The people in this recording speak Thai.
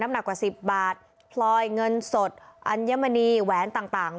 หนักกว่า๑๐บาทพลอยเงินสดอัญมณีแหวนต่าง